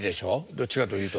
どっちかというと。